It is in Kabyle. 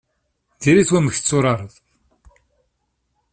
Diri-t wamek i tetturareḍ.